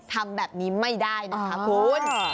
ทำแบบนี้ไม่ได้นะคะคุณ